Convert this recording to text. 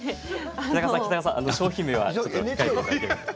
北川さん、あの商品名は控えていただいて。